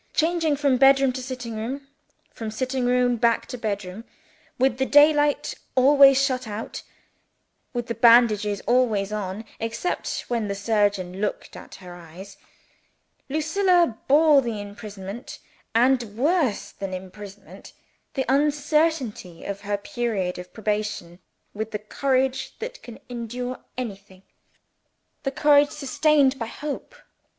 Changing from bed room to sitting room, from sitting room back to bed room; with the daylight always shut out; with the bandages always on, except when the surgeon looked at her eyes; Lucilla bore the imprisonment and worse than the imprisonment, the uncertainty of her period of probation, with the courage that can endure anything, the courage sustained by Hope.